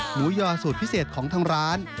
ยอสูตรพิเศษของทางร้าน